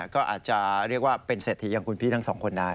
ก็อาจจะเรียกว่าเป็นเศรษฐีอย่างคุณพี่ทั้งสองคนได้